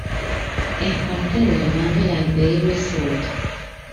Es parte del Mandalay Bay Resort.